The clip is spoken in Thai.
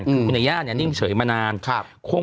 กลุ่มบรรยาสตร์นี้นิ่งเฉยมานาน